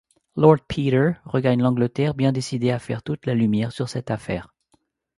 Lord Peter regagne l'Angleterre bien décidé à faire toute la lumière sur cette affaire.